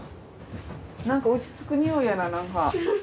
なんか落ち着くにおいやななんか。